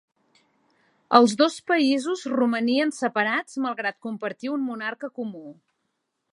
Els dos països romanien separats malgrat compartir un monarca comú.